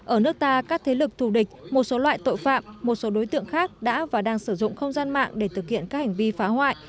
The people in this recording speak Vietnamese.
ở nước ta các thế lực thù địch một số loại tội phạm một số đối tượng khác đã và đang sử dụng không gian mạng để thực hiện các hành vi phá hoại